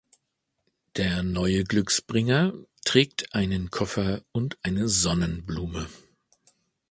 Der neue Glücksbringer trägt einen Koffer und eine Sonnenblume.